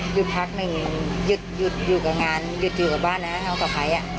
หยุดพักหนึ่งหยุดอยู่กับบ้านน้องต่อไปอ่ะ